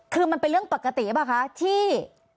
คือมันเป็นเรื่องปกติไหมคะที่